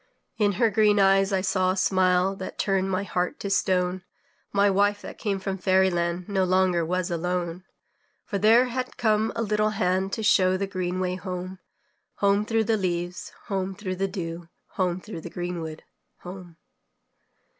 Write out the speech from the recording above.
In her green eyes I saw a smile That turned my heart to stone, My wife that came from fairy land No longer was alone. For there had come a little hand To show the green way home, Home through the leaves, home through the dew, Home through the greenwood home.